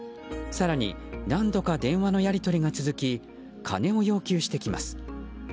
更に何度か電話のやり取りが続き金を要求してきます。